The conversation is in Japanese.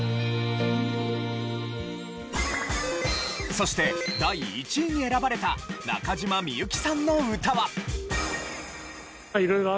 そして第１位に選ばれた中島みゆきさんの歌は。